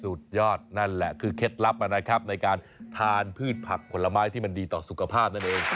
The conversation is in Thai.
สุดยอดนั่นแหละคือเคล็ดลับนะครับในการทานพืชผักผลไม้ที่มันดีต่อสุขภาพนั่นเอง